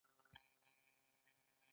د انډرومیډا ګلکسي موږ ته نږدې ده.